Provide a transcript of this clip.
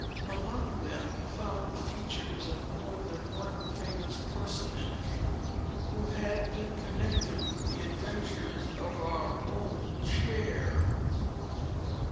Among them he found the features of more than one famous personage who had been connected with the adventures of our old chair.